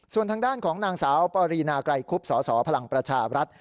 ส่วนทางด้านของนางสาวปรีนาไกรคุบสสพลังประชาบรัฐ